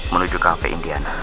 menuju cafe indiana